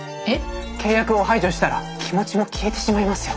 契約を排除したら気持ちも消えてしまいますよ。